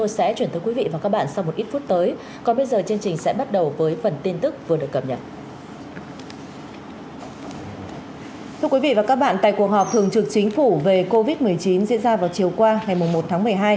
xin chào các bạn tại cuộc họp thường trực chính phủ về covid một mươi chín diễn ra vào chiều qua ngày một tháng một mươi hai